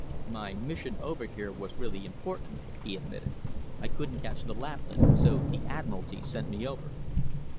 "My mission over here was really important," he admitted. "I couldn't catch the Lapland, so the Admiralty sent me over."